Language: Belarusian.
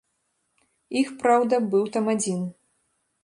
Іх, праўда, быў там адзін.